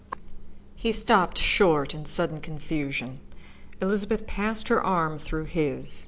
He stopped short in sudden confusion. Elizabeth passed her arm through his.